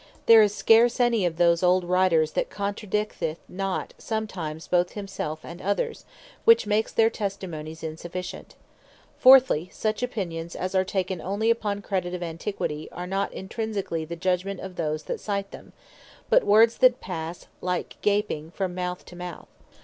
There is scarce any of those old Writers, that contradicteth not sometimes both himself, and others; which makes their Testimonies insufficient. Fourthly, such Opinions as are taken onely upon Credit of Antiquity, are not intrinsically the Judgment of those that cite them, but Words that passe (like gaping) from mouth to mouth.